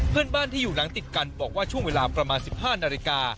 เพื่อนบ้านที่อยู่หลังติดกันบอกว่าช่วงเวลาประมาณ๑๕นาฬิกา